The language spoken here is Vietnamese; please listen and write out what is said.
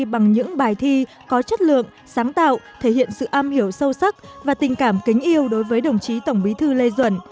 bằng những bài thi có chất lượng sáng tạo thể hiện sự am hiểu sâu sắc và tình cảm kính yêu đối với đồng chí tổng bí thư lê duẩn